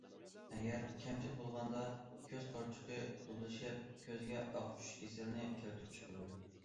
ئەگەر كەمچىل بولغاندا كۆز قارىچۇقى دۇغلىشىپ، كۆزگە ئاق چۈشۈش كېسىلىنى كەلتۈرۈپ چىقىرىدۇ.